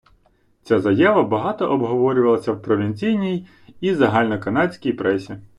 Ця заява багато обговорювалася в провінційній і загальноканадській пресі.